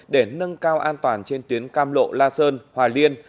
để nâng cao an toàn trên tuyến cam lộ la sơn hòa liên